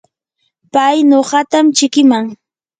pay nuqatam chikiman.